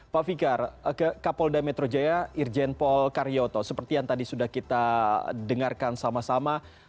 pak fikar kapolda metro jaya irjen pol karyoto seperti yang tadi sudah kita dengarkan sama sama